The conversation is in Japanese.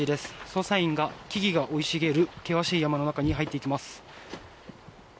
捜査員が木々が生い茂る険しい山の中に入っていきます。